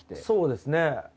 そうですね。